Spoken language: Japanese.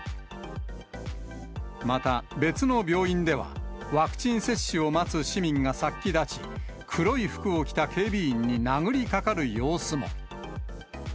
また別の病院では、ワクチン接種を待つ市民が殺気立ち、黒い服を着た警備員に殴りかかる様子も。